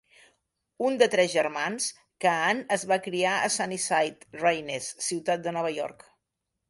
Un de tres germans, Caan es va criar a Sunnyside, Reines, ciutat de Nova York.